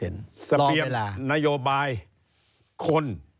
เปรียบนโยบายคน